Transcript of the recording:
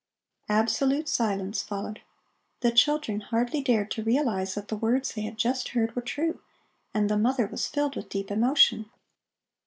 Absolute silence followed. The children hardly dared to realize that the words they had just heard were true, and the mother was filled with deep emotion.